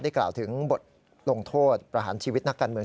กล่าวถึงบทลงโทษประหารชีวิตนักการเมือง